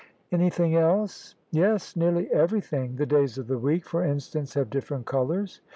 "Anything else?" "Yes, nearly everything. The days of the week, for instance, have different colours."